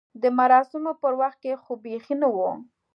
د مراسمو پر وخت کې خو بیخي نه و.